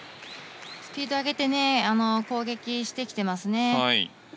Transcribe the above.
スピードを上げて攻撃してきていますね。